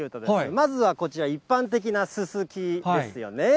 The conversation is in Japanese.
まずはこちら、一般的なススキですよね。